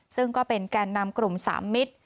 ซึ่งก็เป็นแก่นนำกลุ่มสามมิตร